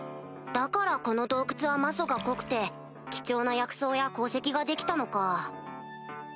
だからこの洞窟は魔素が濃くて貴重な薬草や鉱石が出来たのか。